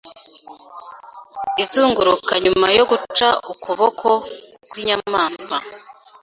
izunguruka nyuma yo guca ukuboko kwinyamaswa